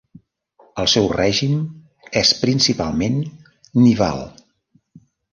El seu règim és principalment nival.